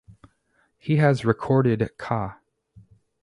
He has recorded ca.